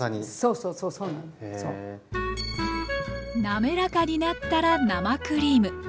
滑らかになったら生クリーム。